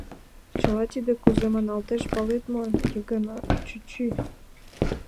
Чыла тиде кузе маналтеш, палет мо, Йыгнат чӱчӱ?